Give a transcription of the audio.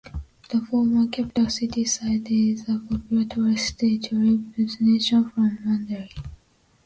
The former capital city site is a popular tourist day-trip destination from Mandalay.